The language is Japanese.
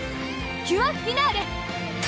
キュアフィナーレ！